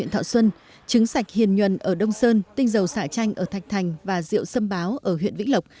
thọ xuân trứng sạch hiền nhuần ở đông sơn tinh dầu xả chanh ở thạch thành và rượu xâm báo ở huyện vĩnh lộc